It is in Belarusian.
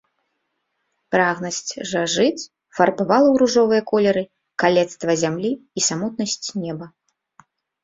Прагнасць жа жыць фарбавала ў ружовыя колеры калецтва зямлі і самотнасць неба.